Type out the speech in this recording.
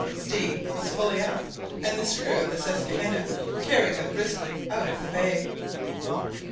Steam was fully up, and the screw of the Susquehanna carried them briskly out of the bay.